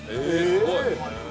すごい。